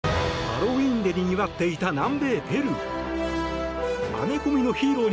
ハロウィーンでにぎわっていた南米ペルー。